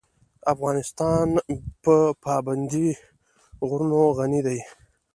افغانستان په پابندی غرونه غني دی.